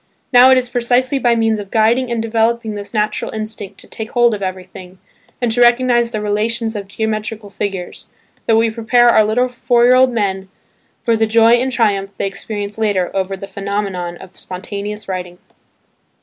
Now, it is precisely by means of guiding and developing this natural instinct "to take hold of everything," and to recognise the relations of geometrical figures, that we prepare our little four year old men for the joy and triumph they experience later over the phenomenon of spontaneous writing.